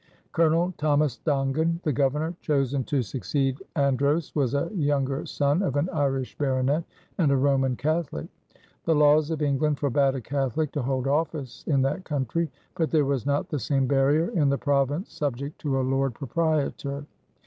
Colonel Thomas Dongan, the Governor chosen to succeed Andros, was a younger son of an Irish Baronet and a Roman Catholic. The laws of England forbade a Catholic to hold office in that country; but there was not the same barrier in the province subject to a Lord Proprietor.